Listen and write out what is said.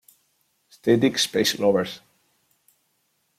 Static Space Lovers.